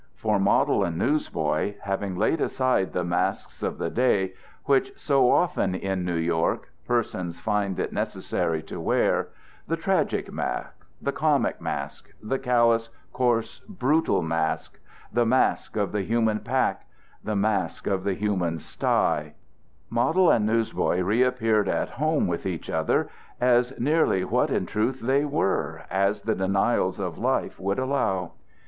For model and newsboy, having laid aside the masks of the day which so often in New York persons find it necessary to wear, the tragic mask, the comic mask, the callous, coarse, brutal mask, the mask of the human pack, the mask of the human sty, model and newsboy reappeared at home with each other as nearly what in truth they were as the denials of life would allow.